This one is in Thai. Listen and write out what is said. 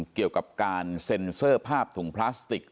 เกี่ยวกับการเซ็นเซอร์ภาพถุงพลาสติก